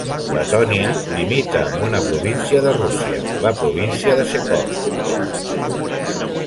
Letònia limita amb una província de Rússia, la província de Pskov.